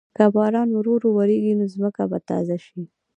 که باران ورو ورو وریږي، نو ځمکه به تازه شي.